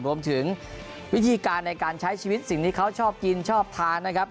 รวมถึงวิธีการในการใช้ชีวิตสิ่งที่เขาชอบกินชอบทานนะครับ